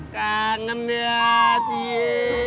kangen ya cie